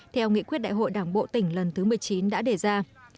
theo nghị quyết đại hội đảng bộ tỉnh lần thứ một mươi chín đã đề ra